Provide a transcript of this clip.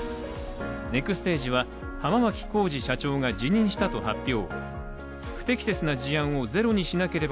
ネクステージは浜脇浩次社長が辞任したと発表。